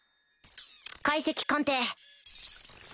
解析鑑定